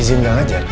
izin tidak ngajar